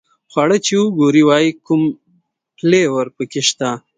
خواړه چې وګوري وایي کوم فلېور په کې شته.